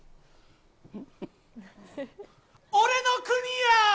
俺の国や！